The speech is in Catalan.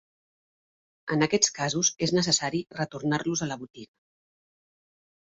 En aquests casos és necessari retornar-los a la botiga.